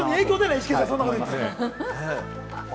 イシケンさん、そんなこと言って。